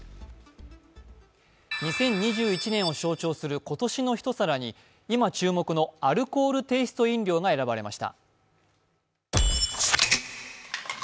２０２１年を象徴する「今年の一皿」に今注目のアルコールテースト飲料が選ばれました。